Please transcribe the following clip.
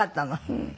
うん。